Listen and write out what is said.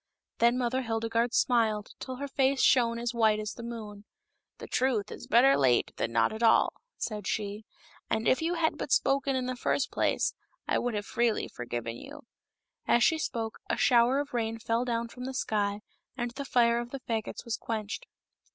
Then Mother Hildegarde smiled till her face shone as white as the moon. " The truth is better late than not at all," said she :" and if you had but spoken in the first place, I would have freely forgiven you." As she spoke a shower of rain fell down from the sky, and the fire of the fagots was quenched.